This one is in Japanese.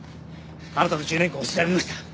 あなたの１０年間を調べました。